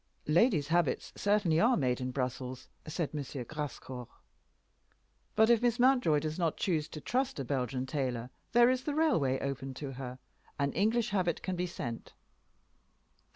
"Ladies' habits certainly are made in Brussels," said M. Grascour. "But if Miss Mountjoy does not choose to trust a Belgian tailor there is the railway open to her. An English habit can be sent."